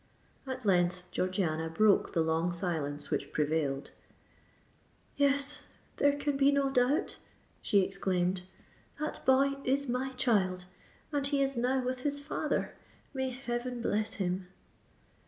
At length Georgiana broke the long silence which prevailed. "Yes—there can be no doubt?" she exclaimed: "that boy is my child—and he is now with his father! May heaven bless him!"